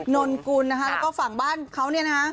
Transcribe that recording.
นนกุลและฝั่งบ้านเขาเนี่ย